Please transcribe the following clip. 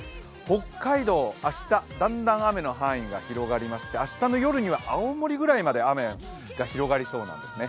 北海道、明日、だんだん雨の範囲が広がりまして明日の夜には青森ぐらいまで雨が広がりそうなんですね。